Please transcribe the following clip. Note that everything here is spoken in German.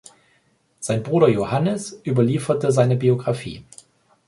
Sein Bruder Johannes überlieferte seine Biographie.